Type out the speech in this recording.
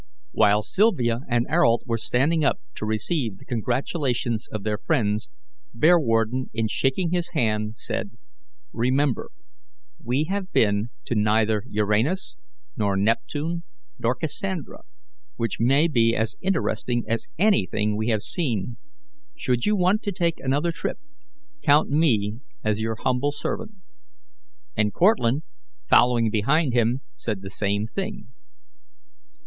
While Sylvia and Ayrault were standing up to receive the congratulations of their friends, Bearwarden, in shaking his hand, said: "Remember, we have been to neither Uranus, nor Neptune, nor Cassandra, which may be as interesting as anything we have seen. Should you want to take another trip, count me as your humble servant." And Cortlandt, following behind him, said the same thing.